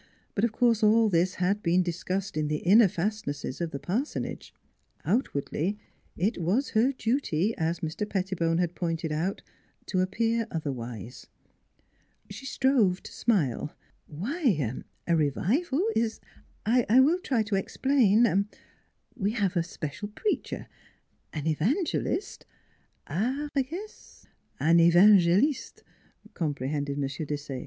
But of course all this had been discussed in the inner fastnesses of the par sonage. Outwardly it was her duty as Mr. Pettibone had pointed out to appear otherwise. She strove to smile. " Why, a revival is I will try to explain we have a special preacher an evangelist " Ah, yes, an evangelhtef 'comprehended M. Desaye.